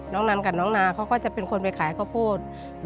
น้องนั้นกับน้องนาเขาก็จะเป็นคนไปขายข้อโพธิ์